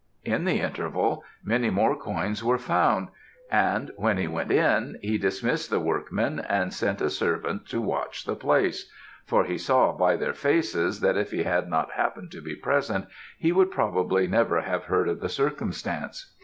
In the interval, many more coins were found; and when he went in, he dismissed the workmen, and sent a servant to watch the place, for he saw by their faces, that if he had not happened to be present he would, probably, never have heard of the circumstance.